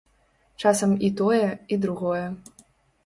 Часам і тое, і другое.